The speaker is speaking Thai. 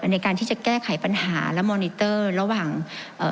ในการที่จะแก้ไขปัญหาและระหว่างเอ่อ